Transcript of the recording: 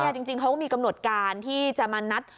จริงเขาก็มีกำหนดการที่จะมานัด